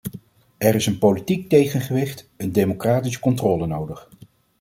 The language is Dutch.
Er is een politiek tegengewicht, een democratische controle nodig.